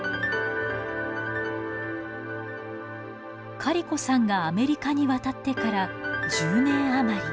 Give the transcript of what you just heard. カリコさんがアメリカに渡ってから１０年余り。